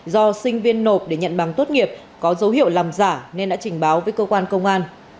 do sinh viên nộp để nhận bằng tốt nghiệp có dấu hiệu làm giả nên đã trình báo với cơ quan công an